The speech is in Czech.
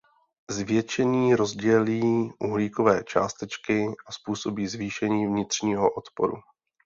Zvětšení rozdělí uhlíkové částečky a způsobí zvýšení vnitřního odporu.